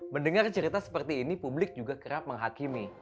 mendengar cerita seperti ini publik juga kerap menghakimi